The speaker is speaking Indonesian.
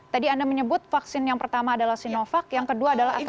tadi anda menyebut vaksin yang pertama adalah sinovac yang kedua adalah